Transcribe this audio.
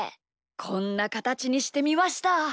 こんなかたちにしてみました。